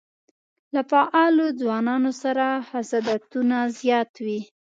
له فعالو ځوانانو سره حسادتونه زیات وي.